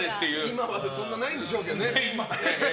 今はそんなないでしょうけどね。